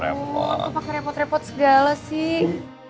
ya ampun aku pake repot repot segala sih